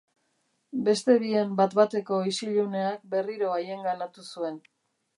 Beste bien bat-bateko isiluneak berriro haienganatu zuen.